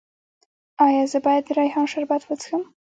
ایا زه باید د ریحان شربت وڅښم؟